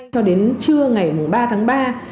cho đến trưa ngày ba tháng ba